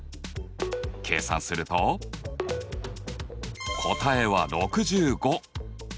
計算すると答えは６５。